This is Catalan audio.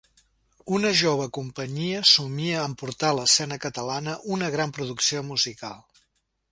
Una jove companyia somia amb portar a l’escena catalana una gran producció musical.